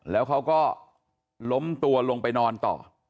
แล้วเขาก็ล้มตัวลงไปนอนต่อ